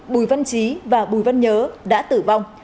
bùi văn trí và bùi văn nhớ đã tử vong